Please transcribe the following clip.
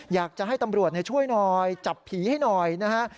อยากจะให้ตำรวจช่วยหน่อยจับผีให้หน่อยนะฮะ